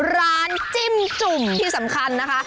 จิ้มจุ่มที่สำคัญนะคะ